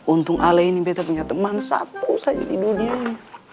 untung ale ini bete punya teman satu saja di dunia ini